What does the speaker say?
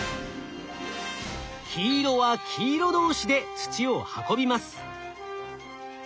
黄色は黄色同士で土を運びます。